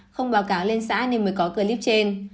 không báo cáo lên xã nên mới có clip trên